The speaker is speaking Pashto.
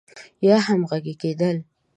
يا هم همغږي کېدل.